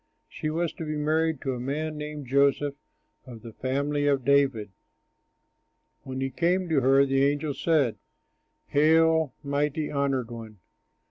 She was to be married to a man named Joseph of the family of David. When he came to her the angel said: "Hail, highly honored one!